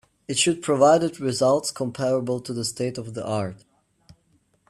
It should provided results comparable to the state of the art.